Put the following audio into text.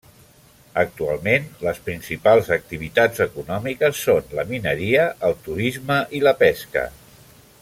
Actualment les principals activitats econòmiques són la mineria, el turisme i la pesca.